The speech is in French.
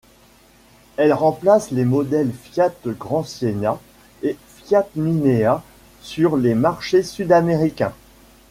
Elle remplace les modèles Fiat Grand Siena et Fiat Linea sur les marchés Sud-Américains.